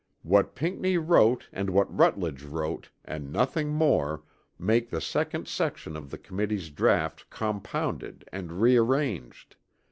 What Pinckney wrote and what Rutledge wrote and nothing more make the second section of the Committee's draught compounded and rearranged.